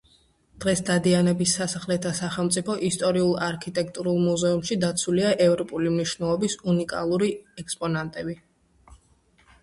დღეს დადიანების სასახლეთა სახელმწიფო ისტორიულ-არქიტექტურულ მუზეუმში დაცულია ევროპული მნიშვნელობის უნიკალური ექსპონატები